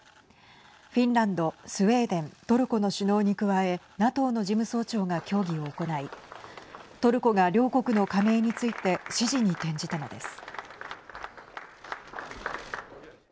フィンランド、スウェーデントルコの首脳に加えＮＡＴＯの事務総長が協議を行いトルコが両国の加盟について支持に転じたのです。